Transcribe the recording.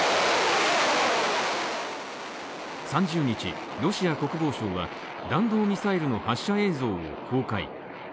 ３０日、ロシア国防省は弾道ミサイルの発射映像を公開。